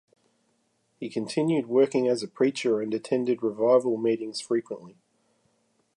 He continued working as a preacher and attended revival meetings frequently.